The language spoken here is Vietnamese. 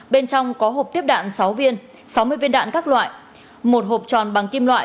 bên trong có hộp tiếp đạn sáu viên sáu mươi viên đạn các loại một hộp tròn bằng kim loại